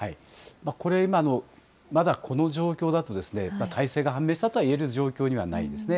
これ今、まだこの状況だと、大勢が判明したとは言える状況にはないですね。